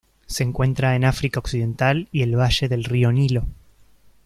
Se encuentra en África occidental y el valle del río Nilo.